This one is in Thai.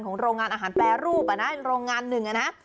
โรงงานอาหารแปรรูปโรงงานหนึ่งนะ